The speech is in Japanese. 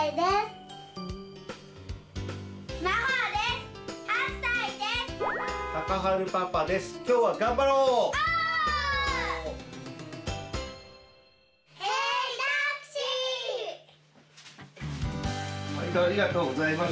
まいどありがとうございます。